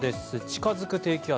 近づく低気圧、